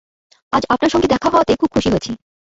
আজ আপনার সঙ্গে দেখা হওয়াতে খুব খুশি হয়েছি।